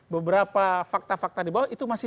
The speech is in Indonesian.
beberapa fakta fakta di bawah itu masih